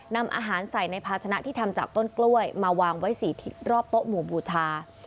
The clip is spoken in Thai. นำอาหารใส่ในภาชนะที่ทำจากต้นกล้วยมาวางไว้๔รอบโต๊ะหมู่บูชา